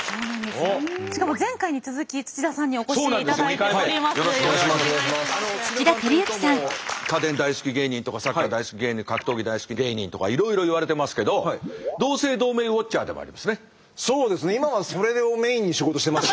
あの土田さんというともう家電大好き芸人とかサッカー大好き芸人格闘技大好き芸人とかいろいろ言われてますけど同姓同名ウォッチャーでもありますね。